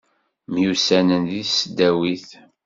Myussanen deg tesdawit.